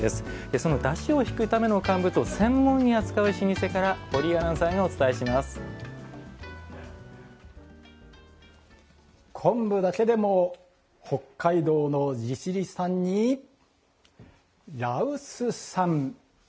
そのだしを引くための乾物を専門に扱う老舗から堀井アナウンサーが昆布だけでも北海道の利尻産に羅臼産。